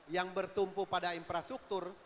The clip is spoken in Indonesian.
yang bertumpu pada infrastruktur